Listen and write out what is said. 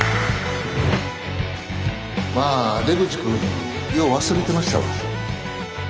まあ出口君よう忘れてましたわ。